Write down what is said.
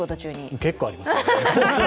結構ありますね。